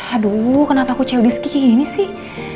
aduh kenapa aku cewek disekini sih